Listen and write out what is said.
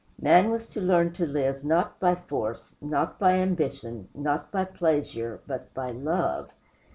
Man was to learn to live, not by force, not by ambition, not by pleasure, but by LOVE.